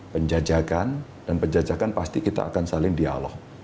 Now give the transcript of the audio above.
penjajakan dan penjajakan pasti kita akan saling dialog